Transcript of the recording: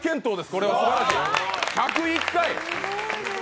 これはすばらしい、１０１回。